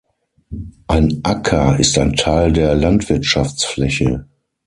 Ein Acker ist ein Teil der Landwirtschaftsfläche.